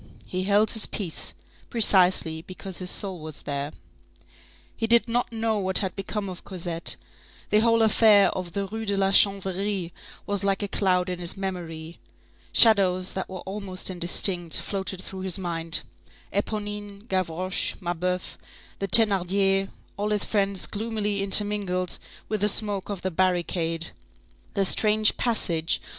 He held his peace, precisely because his soul was there. He did not know what had become of Cosette; the whole affair of the Rue de la Chanvrerie was like a cloud in his memory; shadows that were almost indistinct, floated through his mind, Éponine, Gavroche, Mabeuf, the Thénardiers, all his friends gloomily intermingled with the smoke of the barricade; the strange passage of M.